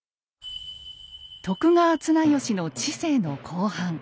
徳川綱吉の治世の後半。